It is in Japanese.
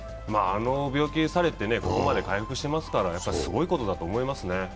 あの病気されて、ここまで回復されてますからやっぱりすごいことだと思いますね。